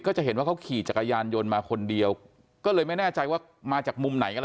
จะเห็นว่าเขาขี่จักรยานยนต์มาคนเดียวก็เลยไม่แน่ใจว่ามาจากมุมไหนก็แล้ว